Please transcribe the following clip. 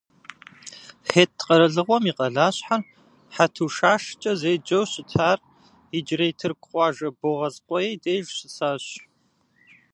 Хетт къэралыгъуэм и къалащхьэр, Хьэтушашкӏэ зэджэу щытар, иджырей тырку къуажэ Богъазкъуей деж щысащ.